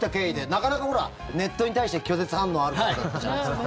なかなかネットに対して拒絶反応ある方じゃないですか。